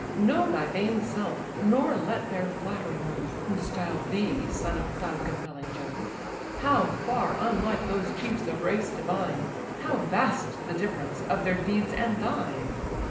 Know thy vain self, nor let their flattery move, Who style thee son of cloud compelling Jove. How far unlike those chiefs of race divine, How vast the difference of their deeds and thine!